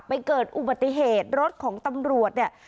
เกิดอุบัติเหตุรถของตำรวจเนี่ย